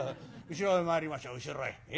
後ろへ回りましょう後ろへ。